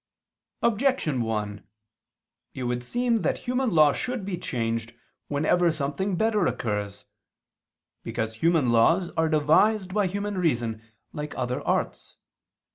Objection 1: It would seem that human law should be changed, whenever something better occurs. Because human laws are devised by human reason, like other arts.